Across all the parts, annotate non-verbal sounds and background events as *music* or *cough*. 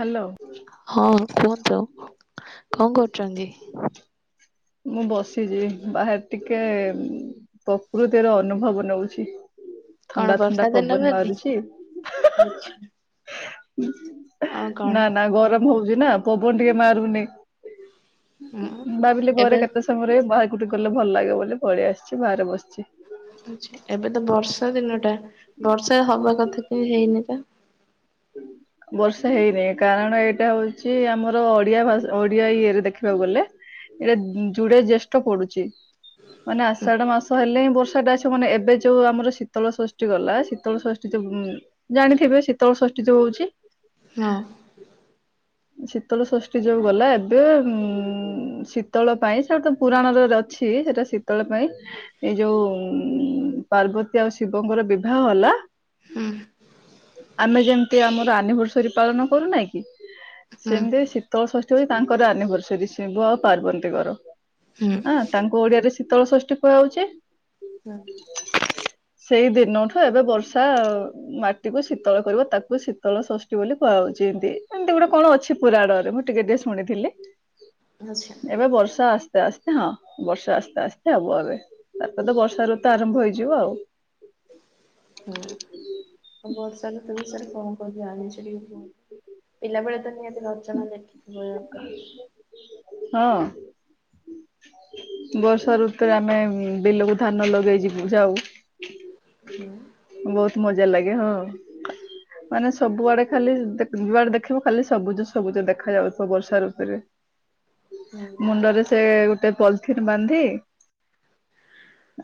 Hello. ହଁ କୁହନ୍ତୁ, କଣ କରୁଛନ୍ତି? ମୁଁ ବସିଛି ବାହାରେ ଟିକେ ପ୍ରକୃତିର ଅନୁଭବ ନଉଛି। କଣ ଥଣ୍ଡା ବର୍ଷା ଥଣ୍ଡା ଦିନ ପବନ ବୋଲି ମାରୁଛି। ଆଚ୍ଛା ଆଉ ନା କଣ ନା ଗରମ ହଉଛି ନା ପବନ ଟିକେ ମାରୁନି। ହୁଁ ଭାବିଲେ ଏବେ ଘରେ କେତେ ସମୟରେ ବାହାରକୁ ଟିକେ ଗଲେ ଭଲ ଲାଗେ ବୋଲି ପଳେଇଆସିଛି, ବାହାରେ ବସିଛି। ଆଛା ଏବେ ତ ବର୍ଷା ଦିନଟା ବର୍ଷା ହବା କଥା କେହି ହେଇନି ତ? ବର୍ଷା ହେଇନି କାରଣ ଏଇଟା ହଉଛି ଆମର ଓଡିଆ ଭାଷା ଓଡିଆ ଇଏରେ ଦେଖିବାକୁ ଗଲେ ଏଇଟା ଯୁଡେ ଜେଷ୍ଟଠ ପଡୁଛି ମାନେ ହୁଁ ଆଷାଢ ମାସ ହେଲେ ହିଁ ବର୍ଷା ଟା ଅ ମାନେ ଏବେ ଯୋଉ ଆମର ଶୀତଳ ଷଷ୍ଠୀ ଗଲା ଶୀତଳ ଷଷ୍ଠୀ ଯୋଉ ଜାଣିଥିବେ ଶୀତଳ ଷଷ୍ଠି ଯୋଉ ହଉଛି? ହଁ ଅ ଶୀତଳ ଷଷ୍ଠୀ ଯୋଉ ଗଲା, ଏବେ ଉଁ ଶୀତଳ ପାଇଁ ସେଟା ତ ପୁରାଣରେ ଅଛି ସେଟା ଶ ଶୀତଳ ପାଇଁ ଏଇ ଯୋଉ ପାର୍ବତୀ ଆଉ ଶିବଙ୍କର ବିବାହ ହେଲା। ହୁ ଆମେ ଯେମତି ଆମର ଆନିଭର୍ସରୀ ପାଳନ କରୁନାହିଁ କି? ହୁଁ ସେମିତି ଶୀତଳ ଷଷ୍ଠୀ ତାଙ୍କର ଆନିଭର୍ସରୀ ଶିବ ଆଉ ପାର୍ବତୀଙ୍କର। ହୁଁ ଉଁ ହଁ ତାଙ୍କୁ ଓଡିଆରେ ଶୀତଳ ଷଷ୍ଠୀ କୁହାଯାଉଛି। ହୁଁ ସେଇ ଦିନଠୁ ଏବେ ବର୍ଷା ମାଟି କୁ ଶୀତଳ କରିବ ତାକୁ ଶୀତଳ ଷଷ୍ଠୀ ବୋଲି କୁହାହାଉଛି, ଏମିତି ଏମତି ଗୋଟେ କଣ ଅଛି। ପୁରା ଆଡରେ ମୁଁ ଟିକେ ଟିକେ ଶୁଣିଥିଲି ଆଚ୍ଛା ଏବେ ବର୍ଷା ଆସି ଆସ୍ତେ ଆସ୍ତେ ହଁ, ବର୍ଷା ଆସ୍ତେ ଆସ୍ତେ ହବ ଏବେ, ତାପରେ ତ ବର୍ଷା ଋତ ଆରମ୍ଭ ହେଇଯିବ ଆଉ। ହଁ ଆ ପିଲାବେଳେ ତ ନିହାତି ୟା ଉପରେ ହଁ ଅଁ ବର୍ଷା ଋତୁରେ ଆମେ ବିଲକୁ ଧାନ ଲଗାଇ ଯିବୁ ଯାଉ। ହୁଁ ଉଁ ବହୁତ ମଜା ଲାଗେ ହଁ। ମାନେ ସବୁଆଡେ ଖାଲି ଯୁଆଡେ ଦେଖିବୁ ଖାଲି ସବୁଜ ସବୁଜ ଦେଖା ଯାଉଥିବ ବର୍ଷା ଋତୁରେ। ହୁଁ ମୁଣ୍ଡରେ ସେ ଗୋଟେ ପଲିଥିନ୍ ବାନ୍ଧି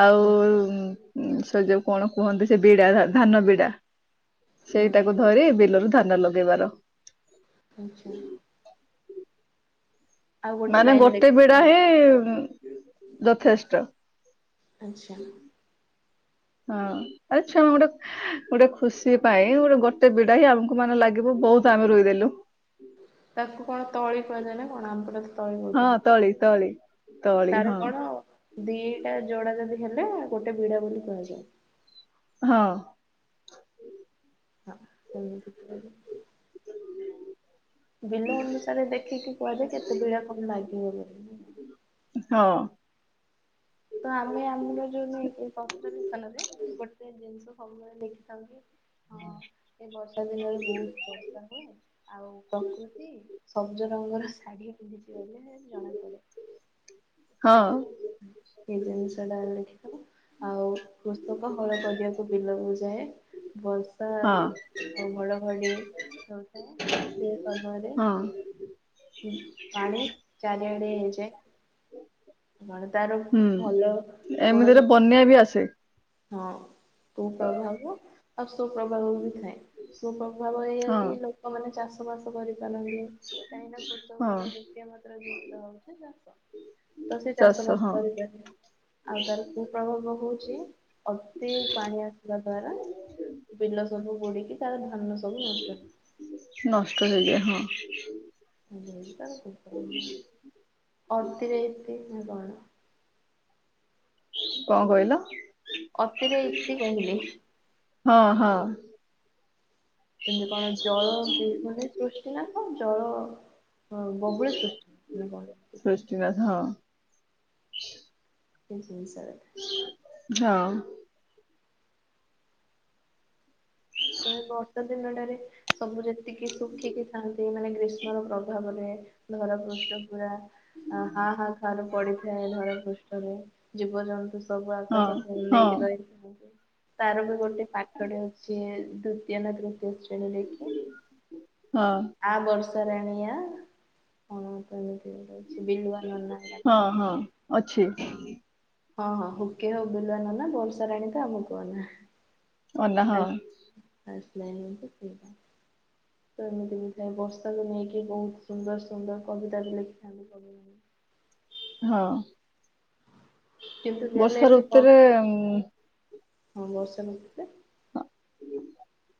ଆଉ ହୁଁ ସେ ଯୋଉ କଣ କୁହନ୍ତି ସେ ବିଡା ଧାନ ବିଡା। ହୁଁ ସେଇଟାକୁ ଧରି ବିଲରୁ ଧାନା ଲଗେଇବାର ଆଛା। ଆଉ ମାନେ ଲାଇନ ଗୋଟେ ବିଡା ଲେଖିଥିବ ହିଁ ଯଥେଷ୍ଟ। ଆଚ୍ଛା। ହଁ ଆଚ୍ଛା ମୁଁ ଗୋଟେ ଖୁସି ପାଇଁ ଗୋଟେ ଗୋଟେ ବିଡା ହି ଆମକୁ ମାନେ ଲାଗିବ ବହୁତ ଆମେ ରୁଇଦେଲୁ। ତାକୁ କଣ ତଳି କୁହାଯାଏ ନା କଣ ଆମର ତଳି ହଁ କହୁ ତଳି ତଳି ତଳି ତାର ହଁ କଣ ଦିଟା ଯୋଡା ଯଦି ହେଲେ ଗୋଟେ ବିଡା ବୋଲି କୁହାଯାଏ। ହଁ। ହଁ ସେମିତି କୁହାଯାଏ। ବିଲ ଅନୁସାରେ ଦେଖିକି କୁହାଯାଏ କେତେ ଭଳ କଣ ଲାଗିବ ବୋଲି। ହଁ। ତ ଆମେ ଆମର ଯୋଉନ କପରା ଦୋକାନରେ ଗୋଟେ ଜିନିଷ ସବୁବେଳେ ଦେଖିକିଥାନ୍ତି। *inaudible* ଏ ବର୍ଷା ଦିନରେ ବହୁତ ବର୍ଷା ହୁଏ। ଆଉ ପ୍ରକୃତି ସବଜ ରଙ୍ଗର ଶାଢୀ ପିନ୍ଧିଛି ବୋଲି ଜଣାପଡେ। ହଁ। ଏଇ ଜିନିଷଟା ଲେଖି ଦବ। ଆଉ କୃଷକ ହଳ କରିବାକୁ ବିଲକୁ ଯାଏ ବସ୍ ହଁ ଆଉ ଘଡଘଡି ଯଉଥାଏ ସେ ସମୟରେ ହଁ। ପାଣି ଚାରିଆଡେ ହେଇଯାଏ। କଣ ତାର ଭଲ ଗୁଣ ବି ଅଛି। ମେବି ଆସେ। ହଁ କୁପ୍ରଭାବ ଆଉ ସୁପ୍ରଭାବ ବି ଥାଏ। ସୁପ୍ରଭାବ ଏଇଆ ହଁ କି ଲୋକମାନେ ଚାଷ ବାସ କରିପାରନ୍ତି। କାହିଁକି ହଁ କୃଷକର ମୁଖ୍ୟ ମାତ୍ର ଜିନିଷ ହଉଛି ଚାଷ। ତ ସେ ଚାଷ ବାସ କରିପାରେ ଆଉ ତାର କୁ ପ୍ରଭାବ ହଉଛି ଅତି ପାଣି ଆସିବା ଦ୍ଵାରା ବିଲ ସବୁ ବୁଡିକି ତାର ଧାନ ସବୁ ନଷ୍ଟ ହେଇଯାଏ। ନଷ୍ଟ ହେଇଯାଏ ହଁ। ଅତି ରେ ଇତି ନ କଣ। କଣ କହିଲ? ଅତିରେ ଇତି କହିଲି। ହଁ ହଁ। ସେମତି କଣ ଜଳ ବିହୂନି ସୃଷ୍ଟି ନାଶ ଜଳ ହଁ ବହୁଳେ ସୃଷ୍ଟି ନାଶ। ସୃଷ୍ଟିନାଥ ହଁ। ଏ ଜିନଷରେ। ହଁ। ତ ବର୍ଷ ଦିନଟାରେ ସବୁ ଯେତିକି ଶୁଖିକି ଥାଆନ୍ତି ମାନେ ଗ୍ରୀଷ୍ମର ପ୍ରଭାବରେ। ଧରା ପୃଷ୍ଠ ପୁରା ହାଁ ହାଁ ଖାରୁ ପଡିଥାଏ ଧରା ପୃଷ୍ଠରେ। ଜୀବଜନ୍ତୁ ସବୁ ହଁ ଆକାଶ କୁ ହଁ ଅନେଇକି ରହିଥାନ୍ତି। ତାର ବି ଗୋଟେ ପାଠ ଟେ ଅଛି ଦ୍ଵିତୀୟ ନା ତୃତୀୟ ଶ୍ରେଣୀରେ କିି? ହଁ। ଆ ବର୍ଷା ରାଣୀ ଆ। ହଁ ତଏମିତି ଗୋଟେ ଅଛି ବିଲୁଆ ନନା ହଁ ହଁ ଡାକୁଛନ୍ତି। ଅଛି। ହଁ ହଁ ହୁକେ ହୁ ବିଲୁଆ ନନା ବର୍ଷାରାଣୀ ତୁ ଆମକୁଅନା। ଅନା ହଁ। ଆସ ଲାଇ ତ ସେଇଟା। ତ ଏମିତି ବିଥାଏ ବର୍ଷାକୁ ନେଇକି ବହୁତ ସୁନ୍ଦର ସୁନ୍ଦର କବିତା ବି ଲେଖିଥାନ୍ତି କବି। ହଁ। କିନ୍ତୁ ରିଅଲ ବର୍ଷା ଲାଇଫରେ ବ ଋତୁରେ ଉଁ ହଁ ବର୍ଷା ଋତୁରେ *inaudible*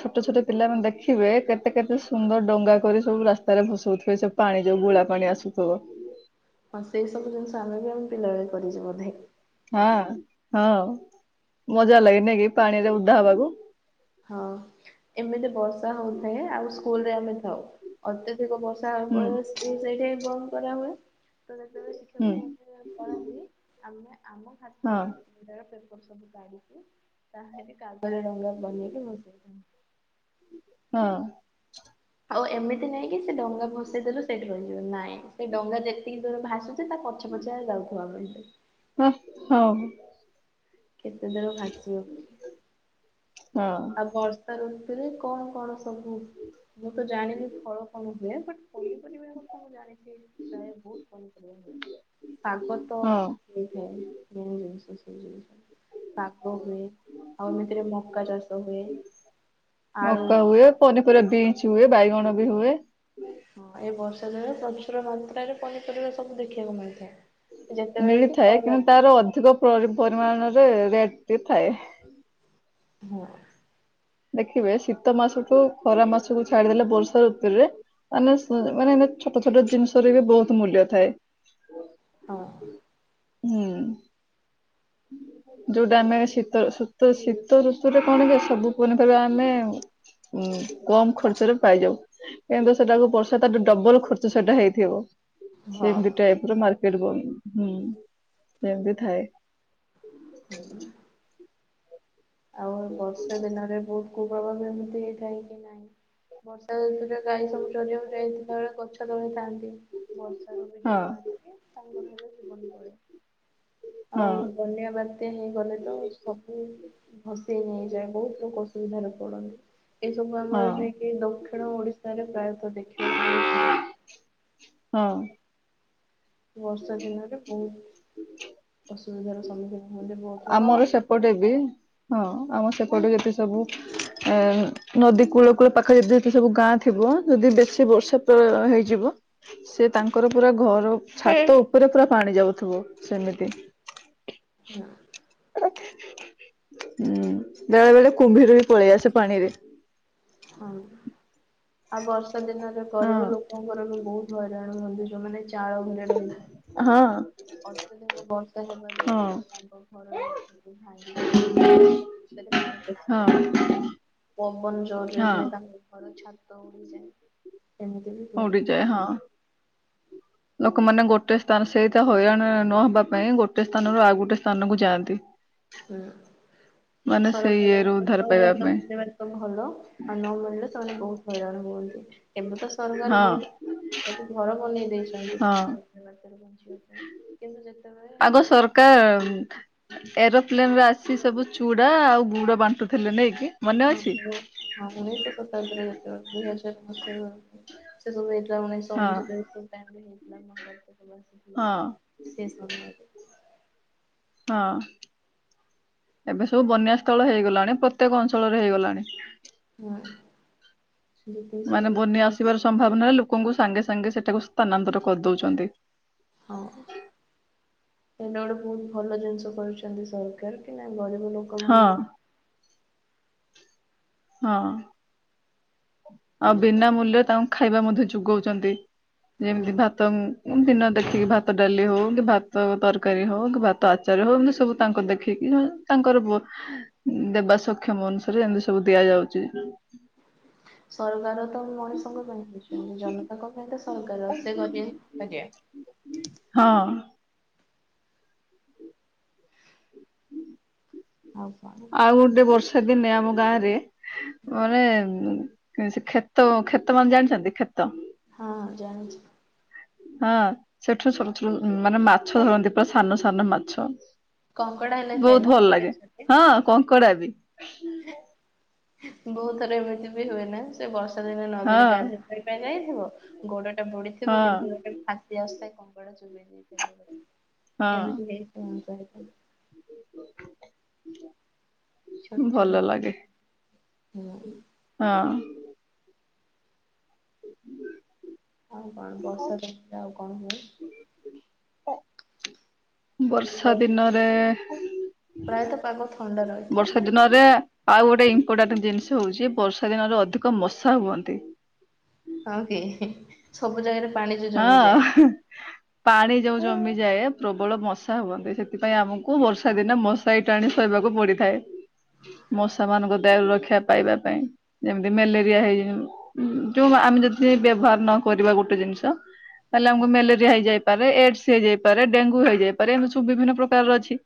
ଛୋଟ ଛୋଟ ପିଲାମାନେ ଦେଖିବେ କେତେ କେତେ ସୁନ୍ଦର ଡଙ୍ଗା କରି ସବୁ ରାସ୍ତାରେ ଭସଉଥିବେ ସେ ପାଣି ଯୋଉ ଗୁଳା ପାଣି ଆସୁଥିବ। ହଁ ସେଇ ସବୁ ଜିନିଷ ଆମେ ବି ଆମେ ପିଲାବେଳେ କରିଛୁ ବୋଧେ। ହଁ ହଁ ମଜା ଲାଗେ ନାକି ପାଣିରେ ଓଦା ହବାକୁ। ହଁ ଏମିତି ବର୍ଷା ହଉଥାଏ, ଆଉ ସ୍କୁଲ ରେ ଆମେ ଥାଉ। ଅତ୍ୟଧିକ ବର୍ଷା ହେବା ହୁଁ ଫଳରେ ସ୍କୁଲ ସେଇ ଟାଇମ ବନ୍ଦ କରା ହୁଏ। ତ ଯେତେବେଳେ ହୁଁ ଶିକ୍ଷକ ମାନେ ପଳାନ୍ତି ଆମେ ଆମ ହଁ ଖାତାରୁ ସେତେବେଳେ ପେପର ସବୁ କାଢ଼ିକି ତା ହିଁରେ କାଗଜ ଡଙ୍ଗା ବନେଇକି ଭସେଇଥାଉ। ହଁ। ଆଉ ଏମିତି ନାଇଁକି ସେ ଡଙ୍ଗା ଭସେଇ ଦେଲୁ ସେଇଠି ରହିଯିବ, ନାଇଁ ସେ ଡଙ୍ଗା ଯେତିକି ଜୋର ଭାସୁ ସେ ତା ପଛେ ପଛେ ଯାଉଥିବୁ ଆମେ। ହୁଁ ହଁ। କେତେ ଦୂର ଭାସିବ। ହଁ। ଆଉ ବର୍ଷା ଋତୁରେ କଣ କଣ ସବୁ? ମୁଁ ତ ଜାଣିନି ଫଳ କଣ ହୁଏ! ବଟ ପନିପରିବା କଥା ମୁଁ ଜାଣିଛିି ପ୍ରାୟ ବହୁତ ପନିପରିବା ହୁଏ। ଶାଗ ତ ହଁ *unintelligible* ଶାଗ ହୁଏ, ଆଉ ଏମିତିରେ ମକା ଚାଷ ହୁଏ। ଆଳୁ ମକା ହୁଏ ପନିପରିବା ବିନ୍ସ ହୁଏ ବାଇଗଣ ବି ହୁଏ। ହଁ ଏ ବର୍ଷା ଦିନରେ ପ୍ରଚୁର ମାତ୍ରାରେ ପନିପରିବା ସବୁ ଦେଖିବାକୁ ମିଳିଥାଏ। ଯେତେବେଳେ କି ମିଳିଥାଏ ଖରା କିନ୍ତୁ ତାର ଅଧିକ ପରିମାଣରେ ରେଟ ଟି ଥାଏ। ହଁ। ଦେଖିବେ ଶୀତ ମାସଠୁ ଖରା ମାସକୁୁ ଛାଡ଼ିଦେଲେ ବର୍ଷା ଋତୁରେ ମାନେ ସେ ମାନେ ଏଇନା ଛୋଟ ଛୋଟ ଜିନିଷ ରେ ବି ବହୁତ ମୂଲ୍ୟ ଥାଏ। ହଁ। ହୁଁ। ଯୋଉଟା ଆମେ ଶୀତ ଶୀତ ଶୀତ ଋତୁରେ କଣ ଥାଏ ସବୁ ପନିପରିବା ଆମେ ହୁଁ କମ୍ ଖର୍ଚ୍ଚରେ ପାଇଯାଉ। କିନ୍ତୁ ସେଟାକୁ ବର୍ଷା ତା ଡବଲ ଖର୍ଚ୍ଚ ସେଇଟା ହେଇଥିବ। ହଁ। ସେମିତି ଟାଇପ ର ମାର୍କେଟ ବନ୍ଦ ହୁଁ ସେମିତି ଥାଏ। ହୁଁ। ଆଉ ବର୍ଷା ଦିନରେ ବହୁତ କୁପ୍ରଭାବ ଏମିତି ହେଇଥାଏ କି ନାହିଁ। ବର୍ଷା ଋତୁରେ ଗାଈ ସବୁ ଚରିବାକୁ ଯାଇଥିବା ବେଳେ ଗଛ ତଳେ ଥାନ୍ତି। ବର୍ଷା ରେ ହଁ ବିଜୁଳି ମାରିକି ସାଙ୍ଗ ହେଲେ ଜୀବନ ପଳାଏ। ହଁ ଆଉ ବନ୍ୟା ବା ତ୍ୟା ହେଇଗଲେ ତ ସବୁ ଭସେଇ ନେଇଯାଏ ବହୁତ ଲୋକ ଅସୁବିଧାରେ ପଡ଼ନ୍ତି। ଏସବୁ ହଁ ଆମର ନେଇକି ଦକ୍ଷିଣ ଓଡିଶାରେ ପ୍ରାୟତଃ ଦେଖିବାକୁ ବହୁତ ମିଳେ। ହଁ। ବର୍ଷା ଦିନରେ ବହୁତ ଅସୁବିଧାର ସମ୍ମୁଖୀନ ହୁଅନ୍ତି ବହୁ ଆମର ସେପଟେ ବି ହଁ ଆମ ସେପଟେ ଯେତେ ସବୁ ଏ ନଦୀ କୂଳ କୂଳ ପାଖରେ ଏବେବି ସବୁ ଗାଁ ଥିବ ଯଦି ବେଶୀ ବର୍ଷା ପ୍ରଳୟ ହେଇଯିବ ସେ ତାଙ୍କର ପୁରା ଘର ଛାତ ଉପରେ ପୁରା ପାଣି ଯାଉଥିବ ସେମିତି। ହଁ। ହୁଁ ବେଳେ ବେଳେ କୁମ୍ଭୀର ବି ପଳେଇ ଆସେ ପାଣିରେ। ହଁ ଆଉ ବର୍ଷା ଦିନରେ ହଁ ଗରିବ ଲୋକଙ୍କର ବି ବହୁତ ହଇରାଣ ହୁଅନ୍ତି ଯୋଉମାନେ ଚାଳ ଘରେ ରହିଥା ହଁ। ଅତ୍ୟଧିକ ବର୍ଷା ହେବା ଦ୍ଵାରା ହଁ ତାଙ୍କ ଘର ତାକୁ ଭାଙ୍ଗିକି ତା ଦେହରେ ପାଣି ହଁ ପଶିଯାଏ। ପବନ ଜୋରରେ ହଁ ହୁଏ ତାଙ୍କ ଘର ଛାତ ଉଡିଯାଏ। ଏମିତି ବି ହୁଏ। ଉଡିଯାଏ। ହଁ। ଲୋକମାନେ ଗୋଟେ ସ୍ଥାନ୍, ସେଇଟା ହଇରାଣ ନହବା ପାଇଁ ଗୋଟେ ସ୍ଥାନରୁ ଆଉ ଗୋଟେ ସ୍ଥାନକୁ ଯାଆନ୍ତି। ହୁଁ। ମାନେ ସେଇ ଇଏରୁ ସରକାରଙ୍କ ଉଦ୍ଧାର ପାଇବା ସହାୟତ ପାଇଁ ଦେବାରେ ତ ଭଲ। ଆଉ ନ ମିଳିଲେ ସେମାନେ ବହୁ ହଇରାଣ ହୁଅନ୍ତି। ଏବେ ତ ସରକାର ହଁ ବହୁତ ସବୁ ଘର ବନେଇ ଦେଇଛନ୍ତି। ହଁ ସେମାନେ *inaudible* ବାତ୍ୟା ରୁ ବଞ୍ଚି *inaudible* କିନ୍ତୁ ଯେତେବେଳେ *unintelligible* ଦରକା ଉଁ, ଏରୋପ୍ଲେନ୍ ରେ ଆସି ସବୁ ଚୁଡା ଆଉ ଗୁଡ ବାଣ୍ଟୁଥିଲେ ନାଇ କି? ହଁ *inaudible* ହଁ ଉଣେଇଶହ ଶତାବ୍ଦୀରେ ଯେତେବେଳେ ଦୁଇ ହଜାର ମସିହା ବେଳକୁ ସେ ସବୁ ହେଇଥିଲା ଉଣେଇଶହ ହଁ ଅନେଶତରେ ସେଇ ଟାଇମ୍ ରେ ହେଇଥିଲା ମହାବାତ୍ୟା ସବୁ ଆସିଥିଲା। ହଁ ସେ ସମୟରେ ହଁ। ଏବେ ସବୁ ବନ୍ୟା ସ୍ଥଳ ହେଇଗଲାଣି। ପ୍ରତ୍ୟେକ ଅଞ୍ଚଳରେ ହେଇଗଲାଣି। ହଁ ଯେତିକି ସବୁ ମାନେ ବନ୍ୟା ଆସିବାର ସମ୍ଭାବନା ଲୋକଙ୍କୁ ସାଙ୍ଗେ ସାଙ୍ଗେ ସେଠାକୁ ସ୍ଥାନାନ୍ତର କରିଦଉଚନ୍ତି। ହଁ। ଏଟ ଗୋଟେ ବହୁତ ଭଲ ଜିନିଷ କରୁଛନ୍ତି ସରକାର କି ନା ଗରିବ ଲୋକ ହଁ ମାନଙ୍କ ହଁ ଆଉ ବିନା ମୂଲ୍ୟ ତାଙ୍କୁ ଖାଇବା ମଧ୍ୟ ଯୁଗଉଚନ୍ତି। ଯେମତି ହୁଁ ଧ ତଂ ଓ ଦିନ ଦେଖିକି ଭାତ ଡାଲି ହଉ। କି ଭାତ ତରକାରୀ ହଉ। କି ଭାତ ଆ ଚାର ହଉ ଏମତି ସବୁ ତାଙ୍କ ଦେଖେଇକି ସେମା ତାଙ୍କର ବ-ଉଁ, ଦେବା ସକ୍ଷମ ଅନୁସାରେ ଏମିତି ସବୁ ଦିଆ ଯାଉଚି। ସରକାର ତ ମଣିଷଙ୍କ ପାଇଁ ହେଇଛନ୍ତି। ଜନତାଙ୍କ ପାଇଁ ତ ସରକାର। ସେ କରି କରିବା ହଁ। ଆଉ କଣ? ଆଉ ଗୋଟେ ବର୍ଷା ଦିନେ ଆମ ଗାଁରେ ମାନେ ଉଁ, ଏ ସେ କ୍ଷେତ କ୍ଷେତ ମାନେ ଜାଣିଛନ୍ତି କ୍ଷେତ? ହଁ ଜାଣିଛି। ହଁ ସେଠୁ ସବୁଠୁରୁ ଉଁ, ମାନେ ମାଛ ଧରନ୍ତି ପୁରା ସାନ ସାନ ମାଛ। କଙ୍କଡା ହେଲେ ଥାଏ ବହୁତ ଭଲ ଲାଗେ। ନା ହଁ କଙ୍କଡା ବି। ବହୁତ ଥର ଏମିତି ବି ହୁଏ ନା ସେ ବର୍ଷା ଦିନେ ହଁ ନଦୀରେ ଗାଧେ ସେଇଟା ଯାଇଥିବ ଗୋଡଟା ବୁଡିଥିବ ହଁ କିନ୍ତୁ ଗୋଟେ ଫାତି ଆସେ କଙ୍କଡା ଚୋବେେଇ ଦେଇଥାଏ ଗୋଡ। ଏମିତି ହଁ ହେଇଚି ମୋ ସହିତ। *inaudible* ଛୋଟ ଛୋଟ ଭଲ କଣ ଲାଗେ ହୁଁ ହଁ। ଆଉ କଣ ବର୍ଷା ଦିନରେ ଆଉ କଣ ହୁଏ? *inaudible* ବର୍ଷା ଦିନରେ ପ୍ରାୟତ ପାାଗ ଥଣ୍ଡା ରହେ। ବର୍ଷା ଦିନରେ ଆଉ ଗୋଟେ ଇମ୍ପୋର୍ଟାଣ୍ଟ ଜିନିଷ ହଉଚି। ବର୍ଷା ଦିନରେ ଅଧିକ ମଶା ହୁଅନ୍ତି। ହଁ କି ସବୁ ଜାଗାରେ ପାଣି ଯୋଉ ଜମିଯାଏ। ହଁ ପାଣି ଯୋଉ ଜମିଯାଏ ପ୍ରବଳ ମଶା ହୁଅନ୍ତି। ସେଥିପାଇଁ ଆମକୁ ବର୍ଷା ଦିନେ ମଶ ଶାରୀ ଟାଣି ଶୋଇବାକୁ ପଡିଥାଏ। ମଶା ମାନଙ୍କ ଦାଉରୁ ରକ୍ଷା ପାଇବା ପାଇଁ। ଯେମିତି ମେଲେରିଆ ହେଇ ଉଁ, ଯୋଉ ଆମେ ଯଦି ବ୍ୟବହାର ନ କରିବା ଗୋଟେ ଜିନିଷ। ତାହେଲେ ଆମକୁ ମେଲେରିଆ ହେଇଯାଇପାରେ। ଏଡସ୍ ହେଇଯାଇପାରେ। ଡେଙ୍ଗୁ ହେଇଯାଇପାରେ। ଏମିତି ସବୁ ବିଭିନ୍ନ ପ୍ରକାରର ଅଛି।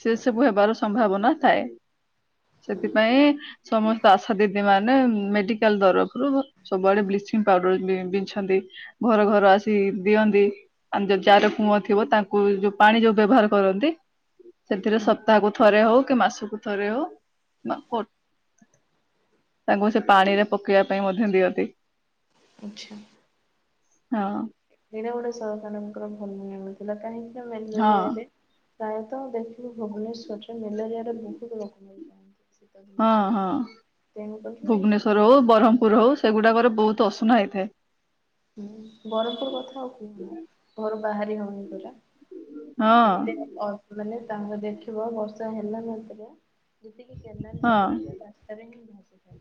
ସେ ସବୁ ହେବାର ସମ୍ଭାବନା ଥାଏ ସେଥିପାଇଁ ସମସ୍ତେ ଆଶା ଦିଦି ମାନେ ମେଡିକାଲ ତରଫରୁ ସବୁଆଡେ ବ୍ଲିଚିଂ ପାଉଡର ବିଛନ୍ତି ଘର ଘର ଆସି କି ଦିଅନ୍ତି। ଆଉ ଯେ ଯାହାର କୂଅ ଥିବ ତାଙ୍କୁ ଯୋଉ ପାଣି ଯୋଉ ବ୍ୟବହାର କରନ୍ତି ସେଥିରେ ହୁଁ ସପ୍ତାହକୁ ଥରେ ହଉ କି ମାସକୁୁ ଥରେ ହଉ ତାଙ୍କୁ ସେ ପାଣି ରେ ପକେଇବା ପାଇଁ ମଧ୍ୟ ଦିଅନ୍ତି। ଆଛା। ହଁ। ଏଇଟା ଗୋଟେ ସରକାରଙ୍କର *unintelligible* ଆଣୁଥିଲା କାହିଁକି ନା ହଁ ମେଲରିଆରେ ପ୍ରାୟତଃ ଦେଖ ଭୁବନେଶ୍ଵରରେ ମେଲେରିଆରେ ବହୁତ ଲୋକ ମିଳିଯାନ୍ତି। ହଁ ହଁ। ତେଣୁ କରି ଭୁବନେଶ୍ୱର ହଉ ବ୍ରହ୍ମପୁର ହଉ ସେଗୁଡ଼ାକରେ ବହୁତ ଅସୁନା ହେଇଥାଏ। ହୁଁ ବରମପୁର କଥା ଆଉ କୁହନି ଘରୁ ବାହାରି ହଉନି ପରା। ହଁ। ଏତେ ଅ ମାନେ ତାଙ୍କର ଦେଖିବ ବର୍ଷା ହେଲା ମାତ୍ରେ ଯେତିକି କେନାଲ ପାଣି ହଁ। ରାସ୍ତାରେ ହିଁ ଭସିଥାଏ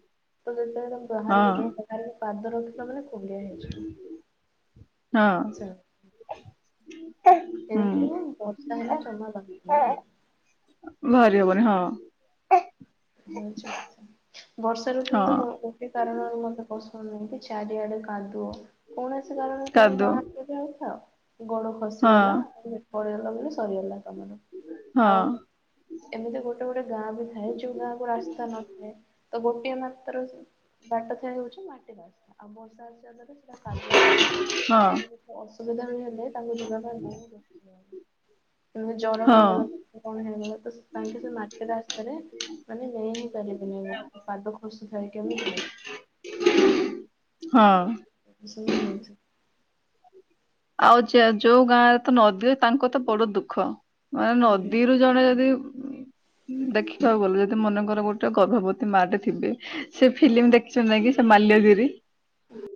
ତ ଯେତେବେଳେ ତମ ବାହାରକୁ ହଁ ଯାଉ ବାହାରେ ପାଦ ରଖିବ ମାନେ କୁଣ୍ଡେଇ ହେଇଯ ହଁ। ଚା। *inaudible* ହୁଁ ତେଣୁକରି ମୁଁ ବର୍ଷା ହେଲେ ଜମା ବା ବାହାରି ହବନି ହଁ ହଉଛି ମ ବର୍ଷା ଋତୁ ହଁ ମତେ କାରଣରୁ ମତେ ପସନ୍ଦ ନାହିଁ କି ଚାରିଆଡେ କାଦୁଅ କୌଣସି କାରଣରେ ତ ମୁଁ ବା କାଦୁଅ ଆଉ ଗୋଡ ଖସିଗଲା ହଁ ପଡିଗଲା ବୋଲି ସରିଗଲା ତମର। ହଁ ଆଉ ଏମିତି ଗୋଟେ ଗୋଟେ ଗାଁ ବି ଥାଏ ଗାକୁ ରାସ୍ତା ନଥାଏ ତ ଗୋଟିଏ ମାତ୍ର ବାଟ ଥାଏ ହଉଛି ମାଟିରସ୍ତା। ଆଉ ବର୍ଷା ଅ ଜନରେ ସେଟା କାଦୁଅ ହେଇଯାଏ ହଁ *unintelligible* ଅସୁବିଧା ହେଲେ ଯିବା ପାଇଁ ବହୁତ ଅସୁବିଧା ହଉଚି। ଜର ହଁ ହେଇଗଲ କି କ'ଣ ହେଇଗଲା ତ ତାଙ୍କେ ସେ ମାଟି ରାସ୍ତାରେ ମାନେ ନେଇ ହେଇ ପାରିବେନି ପାଦ ଖସି ଥାଏ କେମିତି ନେବେ। ହଁ। *unintelligible* ଆଉ ଯ ଯୋଉ ଗାଁ ରେ ତ ନଦୀ ତାଙ୍କ ତ ବଡ ଦୁଃଖ। ମାନେ ହଁ ନଦୀରୁ ଜଣେ ଯଦି ଦେଖିବାକୁ ଗଲେ ଯଦି ମନେକର ଗୋଟେ ଗର୍ଭବତୀ ମା ଟେ ଥିବେ ସେ ଫିଲ୍ମ ଦେଖ କି ସେ ମାଲ୍ୟଗିରି। *inaudible*